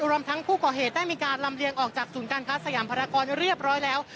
รวมทั้งผู้ก่อเหตุได้มีการลำเลียงออกจากศูนย์การค้าสยามภารกรเรียบร้อยแล้ว